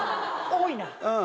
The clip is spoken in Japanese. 多いな！